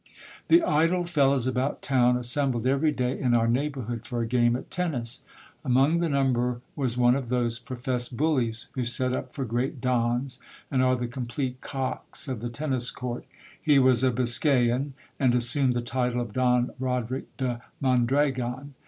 The idle fellows about town assembled every day in our neighbourhood for a game at tennis. Among the number was one of those professed bullies who set up for great Dons, and are the complete cocks of the tennis court. He was a Biscayan, and assumed the title of Don Roderic de Mondragon.